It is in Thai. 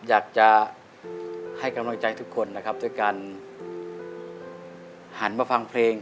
อยากจะให้กำลังใจทุกคนนะครับด้วยการหันมาฟังเพลง